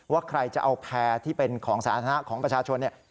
ว่าใครจะเอาแพร่ที่เป็นของสาธารณะของประชาชนเนี่ย